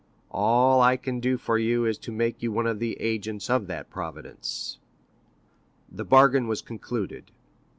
All I can do for you is to make you one of the agents of that Providence.' The bargain was concluded.